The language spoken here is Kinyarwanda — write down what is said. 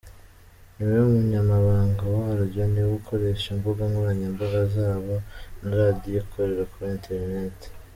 Ni we munyamabanga waryo, niwe ukoresha imbuga nkoranyambaga zabo na radiyo ikorera kuri internet.